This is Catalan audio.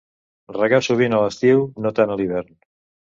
Regar sovint a l'estiu, no tant a l'hivern.